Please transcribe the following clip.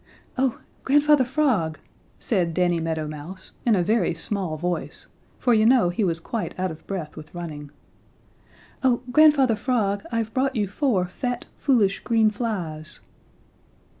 "Oh, Grandfather Frog," said Danny Meadow Mouse in a very small voice, for you know he was quite out of breath with running, "Oh, Grandfather Frog, I've brought you four fat, foolish, green flies."